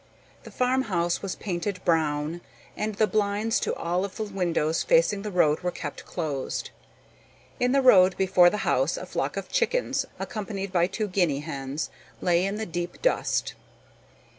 The farmhouse was painted brown and the blinds to all of the windows facing the road were kept closed. In the road before the house a flock of chickens, accompanied by two guinea hens, lay in the deep dust.